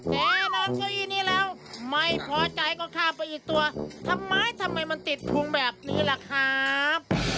แน่นอนเก้าอี้นี้แล้วไม่พอใจก็ข้ามไปอีกตัวทำไมทำไมมันติดพุงแบบนี้ล่ะครับ